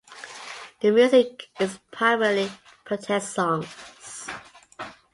The music is primarily protest songs.